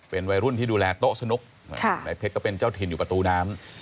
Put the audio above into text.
เป็นวัยรุ่นที่ดูแลโต๊ะสนุกนายเพชรก็เป็นเจ้าถิ่นอยู่ประตูน้ำ